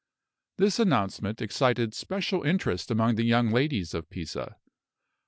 This announcement excited special interest among the young ladies of Pisa.